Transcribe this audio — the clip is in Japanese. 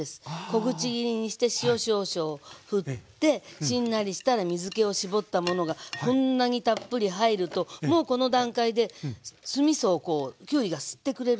小口切りにして塩少々ふってしんなりしたら水けを絞ったものがこんなにたっぷり入るともうこの段階で酢みそをきゅうりが吸ってくれるのね。